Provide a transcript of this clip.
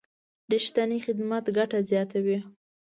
رښتینی خدمت ګټه زیاتوي.